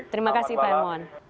terima kasih pak hermawan